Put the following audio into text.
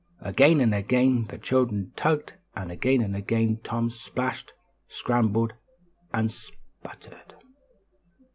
Again and again the children tugged, and again and again Tom splashed, scrambled and sputtered.